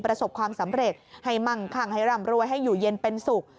ประสบความสำเร็จให้มั่งคั่งให้ร่ำรวยให้อยู่เย็นเป็นสุข